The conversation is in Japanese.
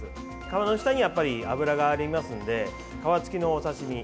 皮の下に脂がありますので皮つきのお刺身。